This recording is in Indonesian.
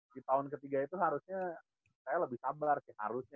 di tahun ketiga itu harusnya saya lebih sabar sih harusnya